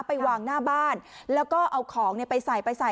ไปวางหน้าบ้านแล้วก็เอาของเนี่ยไปใส่ไปใส่